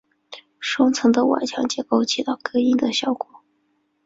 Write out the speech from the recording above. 双层的外墙结构起到隔音的效果。